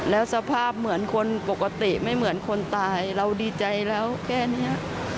แล้วสภาพเหมือนคนปกติไม่เหมือนคนตายเราดีใจแล้วแค่นี้